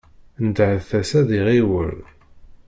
Nedhet-as ad iɣiwel.